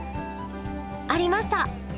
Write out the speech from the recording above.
ありました！